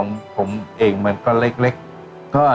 นะครับแล้วผมก็ไม่รู้จะไว้ยังไงน่ะเพราะว่าร้านของผมเองมันก็เล็ก